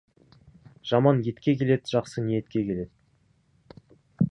Жаман етке келеді, жақсы ниетке келеді.